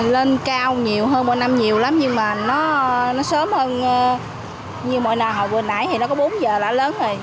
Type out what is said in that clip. lên cao nhiều hơn một năm nhiều lắm nhưng mà nó sớm hơn như mọi nà hộp vừa nãy thì nó có bốn giờ là lớn rồi